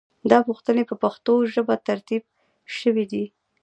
دا پوښتنې په پښتو ژبه ترتیب شوې دي.